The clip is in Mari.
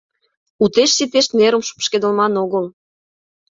Утеш-ситеш нерым шупшкедылман огыл.